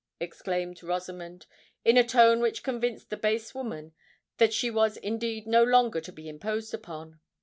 exclaimed Rosamond, in a tone which convinced the base woman that she was indeed no longer to be imposed upon.